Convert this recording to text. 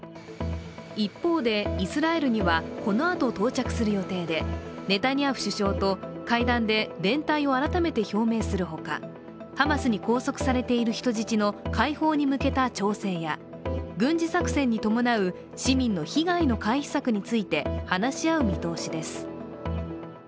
一方で、イスラエルにはこのあと到着する予定でネタニヤフ首相と、会談で連帯を改めて表明するほかハマスに拘束されている人質の解放に向けた調整や軍事作戦に伴う市民の被害の回避策について話し合う見通しです。